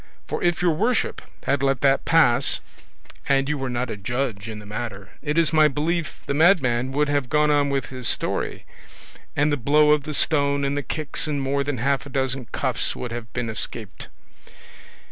for if your worship had let that pass and you were not a judge in the matter it is my belief the madman would have gone on with his story, and the blow of the stone, and the kicks, and more than half a dozen cuffs would have been escaped."